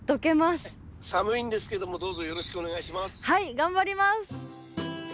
頑張ります！